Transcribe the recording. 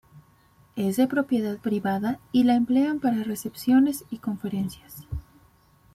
Es de propiedad privada y la emplean para recepciones y conferencias.